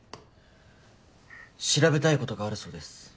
調べたいことがあるそうです。